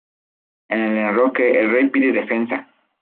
En el enroque el rey pide defensa.